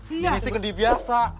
ini sih gendi biasa